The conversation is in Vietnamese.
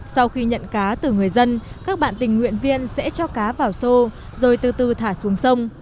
sau khi nhận cá từ người dân các bạn tình nguyện viên sẽ cho cá vào sô rồi từ từ thả xuống sông